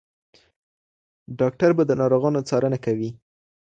ډاکټر به د ناروغانو څارنه کوي.